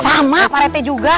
sama pak erti juga